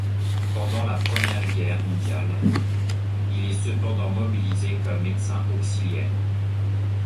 Pendant la Première Guerre mondiale, il est cependant mobilisé comme médecin auxiliaire.